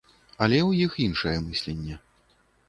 Але ў іх іншае мысленне.